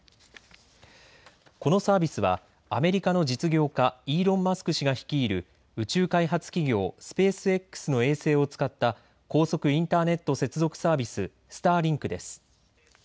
このサービスはアメリカの実業家、イーロン・マスク氏が率いる宇宙開発企業、スペースＸの衛星を使った高速インターネット接続サービス、スターリンクです。